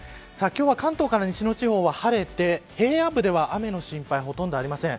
今日は関東から西の地方は晴れて平野部では雨の心配ほとんどありません。